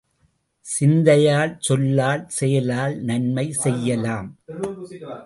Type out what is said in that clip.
சிந்தையால், சொல்லால், செயலால் நன்மை செய்யலாம்.